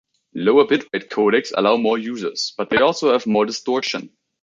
Lower bitrate codecs allow more users, but they also have more distortion.